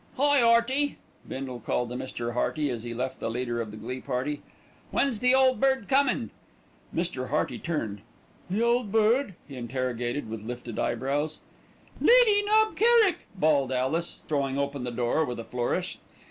"Hi, 'Earty!" Bindle called to Mr. Hearty as he left the leader of the glee party. "When's the Ole Bird comin'?" Mr. Hearty turned. "The old bird?" he interrogated with lifted eyebrows. "Lady Knob Kerrick," bawled Alice, throwing open the door with a flourish.